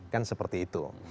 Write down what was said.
kan seperti itu